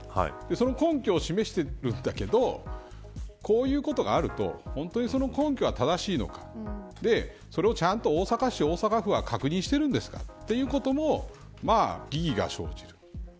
その根拠を示してるんだけどこういうことがあると本当にその根拠は正しいのかそれをちゃんと大阪市、大阪府は確認しているんですかということも疑義が生じる。